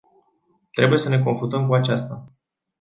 Trebuie să ne confruntăm cu aceasta.